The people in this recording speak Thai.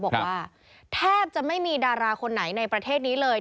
บอกว่าแทบจะไม่มีดาราคนไหนในประเทศนี้เลย